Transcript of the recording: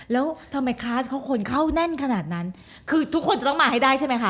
แล้วทำไมคลาสเขาคนเข้าแน่นขนาดนั้นคือทุกคนจะต้องมาให้ได้ใช่ไหมคะ